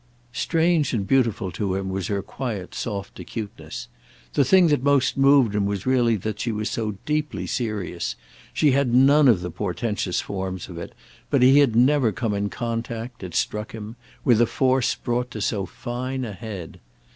Strange and beautiful to him was her quiet soft acuteness. The thing that most moved him was really that she was so deeply serious. She had none of the portentous forms of it, but he had never come in contact, it struck him, with a force brought to so fine a head.